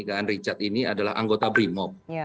kan richard ini adalah anggota brimop